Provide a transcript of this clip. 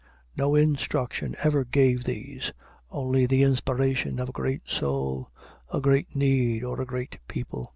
No instruction ever gave these, only the inspiration of a great soul, a great need, or a great people.